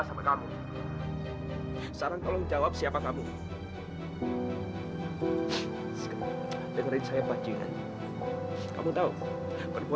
saya punya keluarga dan juga saya punya ibu yang sayang sama saya